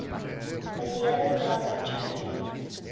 But the other girls are charming.